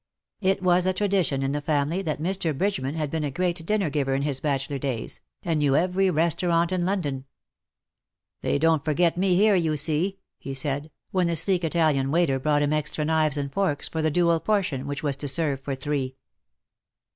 It was a tradition in the family that Mr. Bridgeman had been a great dinner giver in his bachelor days, and knew every restaurant in London. "They don't forget me here, you see,^'' he said, when the sleek Italian waiter brought him extra knives and forks for the dual portion which Avas to serve for three.